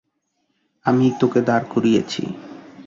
আমিই তোকে দাঁড় করিয়েছি।